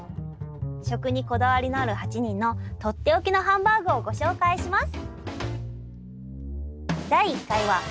食にこだわりのある８人のとっておきのハンバーグをご紹介します。